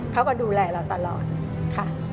เขาก็ดูแลเราตลอดค่ะ